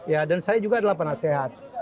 ya dan saya juga adalah penasehat